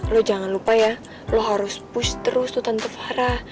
lo jangan lupa ya lo harus push terus tuh tante farah